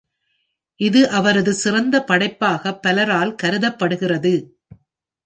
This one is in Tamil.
இது அவரது சிறந்த படைப்பாக பலரால் கருதப்படுகிறது.